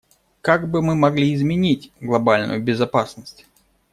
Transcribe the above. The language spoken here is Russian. Как бы мы могли изменить глобальную безопасность?